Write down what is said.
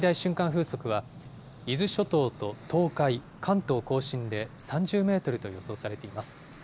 風速は伊豆諸島と東海、関東甲信で３０メートルと予想されています。